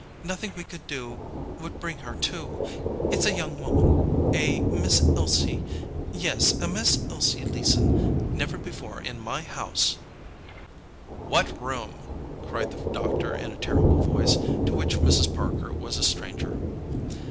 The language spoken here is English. Nothing we could do would bring her to. It's a young woman, a Miss Elsie—yes, a Miss Elsie Leeson. Never before in my house—" "What room?" cried the doctor in a terrible voice, to which Mrs. Parker was a stranger.